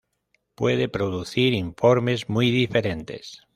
Puede producir informes muy diferentes.